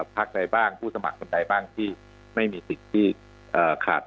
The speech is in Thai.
พักใดบ้างผู้สมัครคนใดบ้างที่ไม่มีสิทธิ์ที่ขาด